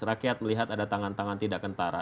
rakyat melihat ada tangan tangan tidak kentara